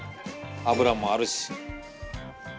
脂もあるし。